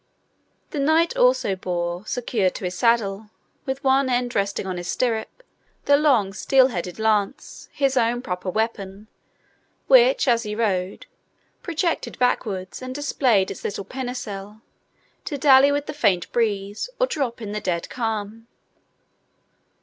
The knight also bore, secured to his saddle, with one end resting on his stirrup, the long steel headed lance, his own proper weapon, which, as he rode, projected backwards, and displayed its little pennoncelle, to dally with the faint breeze, or drop in the dead calm.